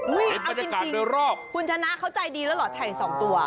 เอาจริงคุณชนะเขาใจดีแล้วเหรอไถ่๒ตัว